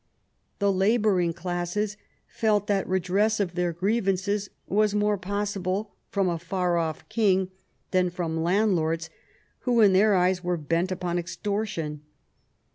The labouring classes felt that redress of their grievances was more possible from a far off king than from land lords who, in their eyes, were bent upon extortion.